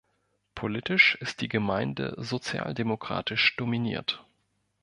Politisch ist die Gemeinde sozialdemokratisch dominiert.